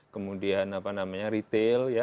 kemudian apa namanya retail ya